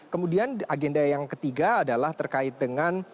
kemudian agenda yang ketiga adalah terkait dengan